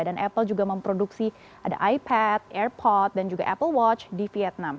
dan apple juga memproduksi ada ipad airpod dan juga apple watch di vietnam